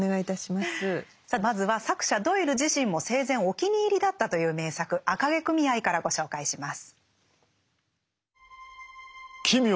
さあではまずは作者ドイル自身も生前お気に入りだったという名作「赤毛組合」からご紹介します。